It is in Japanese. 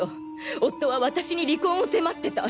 夫は私に離婚を迫ってた。